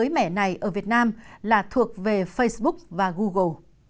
đối với mẻ này ở việt nam là thuộc về facebook và google